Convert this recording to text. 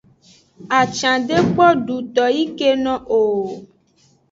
Acan de kpo duto yi keno o.